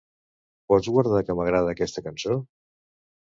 Pots guardar que m'agrada aquesta cançó?